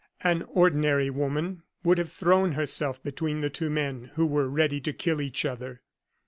An ordinary woman would have thrown herself between the two men who were ready to kill each other.